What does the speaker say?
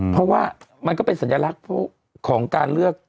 เพราะว่ามันก็เป็นสัญลักษณ์ของการเลือก